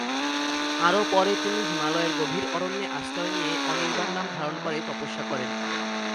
আরও পরে তিনি হিমালয়ের গভীর অরণ্যে আশ্রয় নিয়ে অনির্বাণ নাম ধারণ করে তপস্যা করেন।